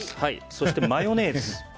そして、マヨネーズ。